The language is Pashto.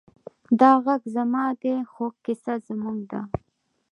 دا غږ زما دی، خو کیسه زموږ ده.